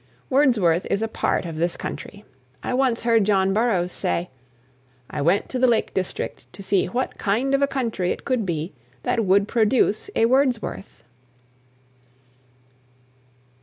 Wordsworth is a part of this country. I once heard John Burroughs say: "I went to the Lake District to see what kind of a country it could be that would produce a Wordsworth."